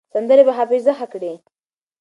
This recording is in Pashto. سندرې به حافظه ښه کړي.